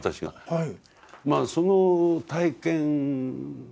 はい。